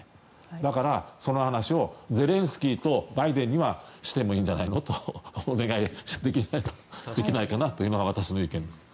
だから、その話をゼレンスキーとバイデンにはしてもいいんじゃないのとお願いできないかなというのが私の意見です。